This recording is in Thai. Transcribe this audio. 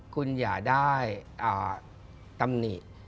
คุณอย่าได้ตำหนิ